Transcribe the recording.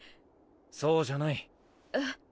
そうじゃない。えっ。